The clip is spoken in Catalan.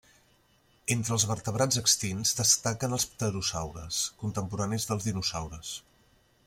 Entre els vertebrats extints, destaquen els pterosaures, contemporanis dels dinosaures.